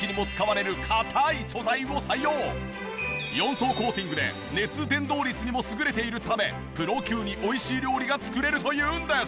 実はこのフライパン４層コーティングで熱伝導率にも優れているためプロ級に美味しい料理が作れるというんです。